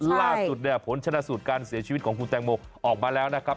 ล่าสุดเนี่ยผลชนะสูตรการเสียชีวิตของคุณแตงโมออกมาแล้วนะครับ